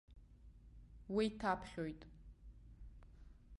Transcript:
Уеиҭаԥхьоит.